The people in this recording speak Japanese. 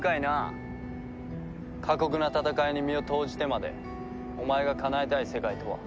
過酷な戦いに身を投じてまでお前がかなえたい世界とは？